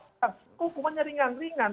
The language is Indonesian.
kok hukumannya ringan ringan